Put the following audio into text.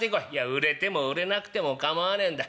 売れても売れなくても構わねえんだ。